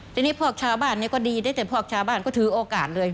ทีนี้พวกชาวบ้านก็ดีได้แต่พวกชาวบ้านก็ถือโอกาสเลย